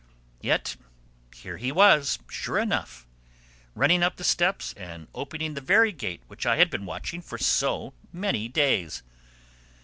Yet here he was, sure enough, running up the steps and opening the very gate which I had been watching for so many days!